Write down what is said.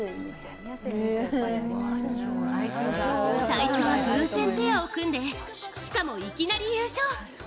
最初は偶然ペアを組んで、しかもいきなり優勝。